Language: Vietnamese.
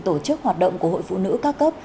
tổ chức hoạt động của hội phụ nữ ca cấp